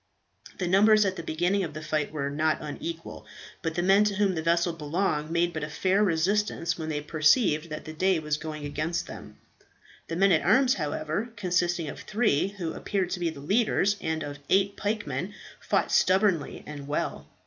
The numbers at the beginning of the fight were not unequal, but the men to whom the vessel belonged made but a faint resistance when they perceived that the day was going against them. The men at arms, however, consisting of three, who appeared to be the leaders, and of eight pikemen, fought stubbornly and well.